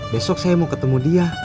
besok saya mau ketemu dia